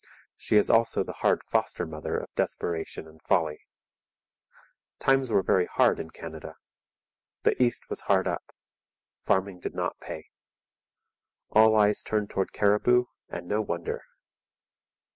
She is also the hard foster mother of desperation and folly. Times were very hard in Canada. The East was hard up. Farming did not pay. All eyes turned towards Cariboo; and no wonder!